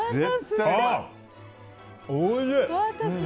おいしい！